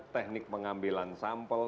teknik pengambilan sampel